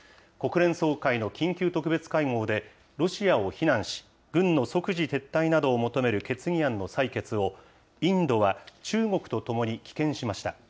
国連総会の緊急特別会合で、ロシアを非難し、軍の即時撤退などを求める決議案の採決を、インドは中国とともに棄権しました。